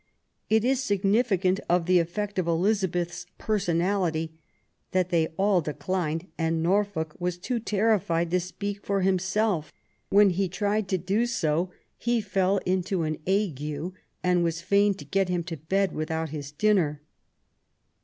It is significant of the effect of Elizabeth's personality that they all declined, and Norfolk was too terrified to speak for himself. When he tried to do so " he fell into an ague and was fain to get him to bed with out his dinner".